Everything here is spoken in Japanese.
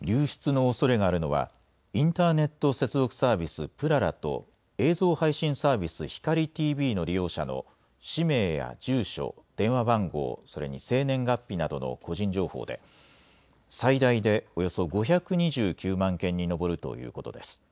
流出のおそれがあるのは、インターネット接続サービス、ぷららと、映像配信サービス、ひかりＴＶの利用者の氏名や住所、電話番号、それに生年月日などの個人情報で、最大でおよそ５２９万件に上るということです。